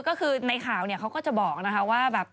ก็คือในข่าวเนี่ยเขาก็จะบอกนะคะว่าแบบ